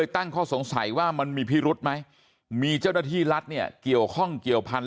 ตั้งข้อสงสัยว่ามันมีพิรุธไหมมีเจ้าหน้าที่รัฐเนี่ยเกี่ยวข้องเกี่ยวพันธ